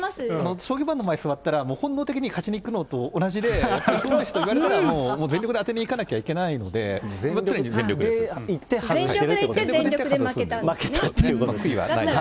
将棋盤の前座ったら、本能的に勝ちにいくのと同じで、勝負メシといわれたら全力で当てにいかなきゃいけないので、もち全力でいって全力で負けたと。